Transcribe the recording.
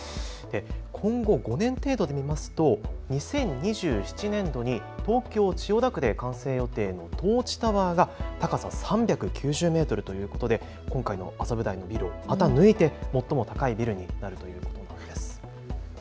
今後５年程度で見ますと２０２７年度に東京千代田区で完成予定のＴｏｒｃｈＴｏｗｅｒが高さ３９０メートルということで今回の麻布台のビルをまた抜いて最も高いビルになるということです。